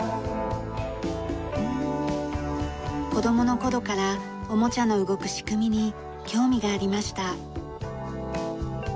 子供の頃からおもちゃの動く仕組みに興味がありました。